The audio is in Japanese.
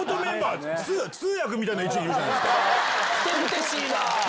ふてぶてしいな！